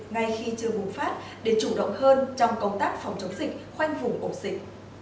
ngay khi chưa bùng phát để chủ động hơn trong công tác phòng chống dịch khoanh vùng ổ dịch